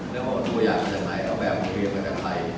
ตัวอย่างจากไหนเอาแบบเวลาจากไหน